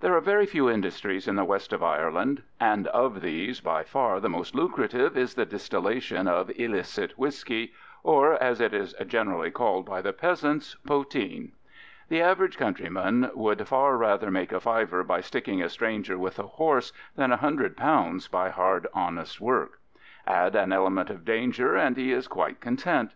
There are very few industries in the west of Ireland, and of these by far the most lucrative is the distillation of illicit whisky, or, as it is generally called by the peasants, poteen. The average countryman would far rather make a fiver by sticking a stranger with a horse than £100 by hard honest work. Add an element of danger, and he is quite content.